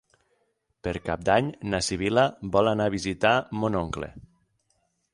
Per Cap d'Any na Sibil·la vol anar a visitar mon oncle.